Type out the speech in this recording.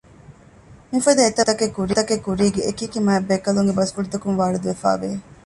މިފަދަ އެތައް ބަސްފުޅުތަކެއް ކުރީގެ އެކިއެކި މާތްްބޭކަލުންގެ ބަސްފުޅުތަކުން ވާރިދުވެފައިވެ